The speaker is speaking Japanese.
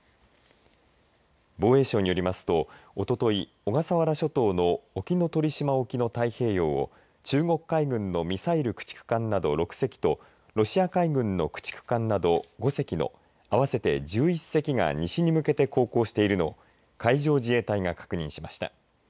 防衛省によりますとおととい小笠原諸島の沖ノ鳥島沖の太平洋を中国海軍のミサイル駆逐艦など６隻とロシア海軍の駆逐艦など５隻の合わせて１１隻が西に向けて航行しているのを海上自衛隊が確認しました。